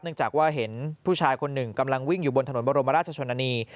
จากว่าเห็นผู้ชายคนหนึ่งกำลังวิ่งอยู่บนถนนบรมราชชนนานี